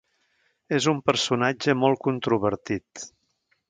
És un personatge molt controvertit.